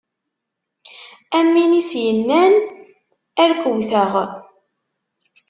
Am win i s-yennan ar k-wwteɣ.